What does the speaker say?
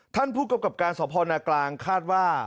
ท่านผู้กรับกราบการสภพรณกลางคาดว่า